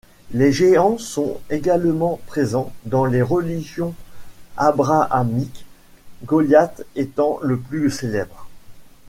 Les géants sont également présents dans les religions abrahamiques, Goliath étant le plus célèbre.